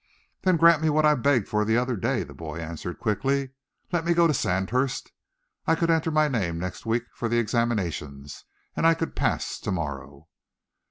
"Then grant me what I begged for the other day," the boy answered quickly. "Let me go to Sandhurst. I could enter my name next week for the examinations, and I could pass to morrow."